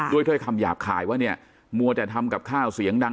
ถ้อยคำหยาบคายว่าเนี่ยมัวแต่ทำกับข้าวเสียงดัง